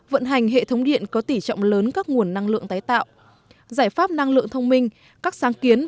vận hành hệ thống điện có tỉ trọng lớn các nguồn năng lượng tái tạo giải pháp năng lượng thông minh các sáng kiến và ý tưởng công nghệ năng lượng tương lai